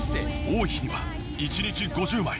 多い日には一日５０枚。